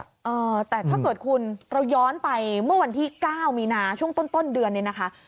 เออแต่ถ้าเกิดคุณเราย้อนไปเมื่อวันที่เก้ามีนาช่วงต้นต้นเดือนเนี่ยนะคะ